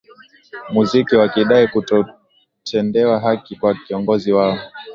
muziki wakidai kutotendewa haki kwa kiongozi wao